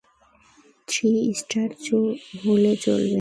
Three star হলে চলবে?